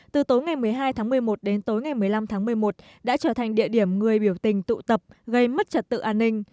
từ tối ngày một mươi hai tháng một mươi một đến tối ngày một mươi năm tháng một mươi một đã trở thành địa điểm người biểu tình tụ tập gây mất trật tự an ninh